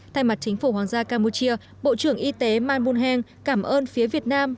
thay mặt chính phủ hoàng gia campuchia bộ trưởng y tế man bung heng cảm ơn phía việt nam